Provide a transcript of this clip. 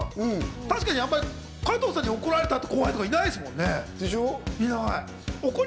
確かにあまり、加藤さんに怒られた後輩とかっていないですもんね。